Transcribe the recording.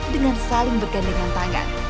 dengan saling bergandengan tangan